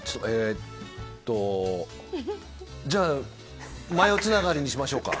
じゃあ、マヨつながりにしましょうか。